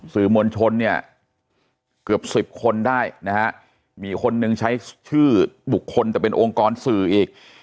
สื่อมวลชนเนี่ยเกือบสิบคนได้นะฮะมีคนนึงใช้ชื่อบุคคลแต่เป็นองค์กรสื่ออีก